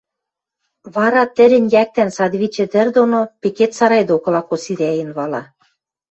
Вара тӹрӹнь йӓктӓн садвичӹ тӹр доно пекет сарай докыла косирӓен вала.